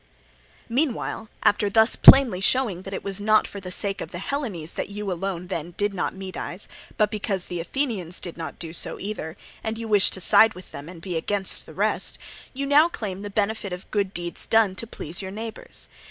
"Meanwhile, after thus plainly showing that it was not for the sake of the Hellenes that you alone then did not Medize, but because the Athenians did not do so either, and you wished to side with them and to be against the rest; you now claim the benefit of good deeds done to please your neighbours.